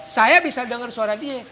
saya bisa dengar suara dia